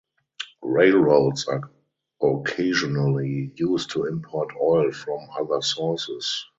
Railroads are occasionally used to import oil from other sources.